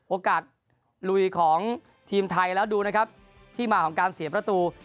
โอกาสลุยของทีมไทยแล้วดูนะครับที่มาของการเสียประตู